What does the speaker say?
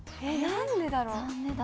何でだろう。